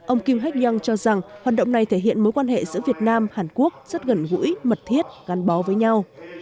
ông kim hạch yong cho rằng hoạt động này thể hiện mối quan hệ giữa việt nam hàn quốc rất gần gũi mật thiết gắn bó với nhau